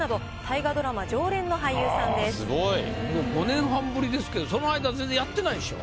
５年半ぶりですけどその間全然やってないでしょ？